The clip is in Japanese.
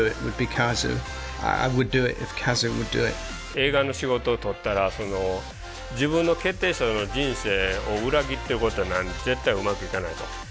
映画の仕事を取ったら自分の決定した人生を裏切ってることになるんで絶対うまくいかないと。